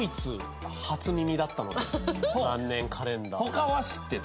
他は知ってた？